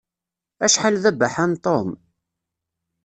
Acḥal d abaḥan Tom!